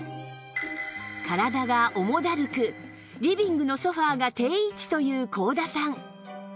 体が重だるくリビングのソファが定位置という幸田さん